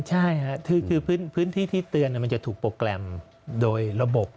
ใช่ค่ะคือพื้นที่ที่เตือนมันจะถูกโปรแกรมโดยระบบ